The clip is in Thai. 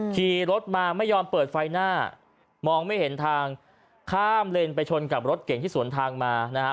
ขี่รถมาไม่ยอมเปิดไฟหน้ามองไม่เห็นทางข้ามเลนไปชนกับรถเก่งที่สวนทางมานะฮะ